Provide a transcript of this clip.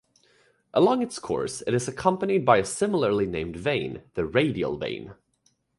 Along its course, it is accompanied by a similarly named vein, the radial vein.